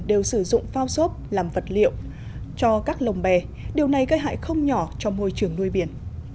đều sử dụng phao xốp làm vật liệu cho các lồng bè điều này gây hại không nhỏ cho môi trường nuôi biển